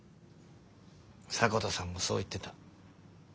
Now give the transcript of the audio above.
迫田さんもそう言ってた。